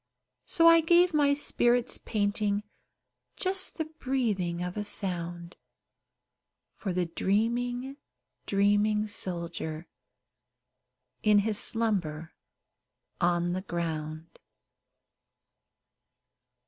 So I gave my spirit's painting Just the breathing of a sound, For the dreaming, dreaming soldier, In his slumber on the ground.